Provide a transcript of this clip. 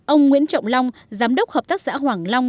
ông nguyễn trọng long giám đốc hợp tác xã hoàng long